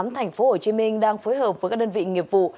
tp hcm đang phối hợp với các đơn vị nghiệp vụ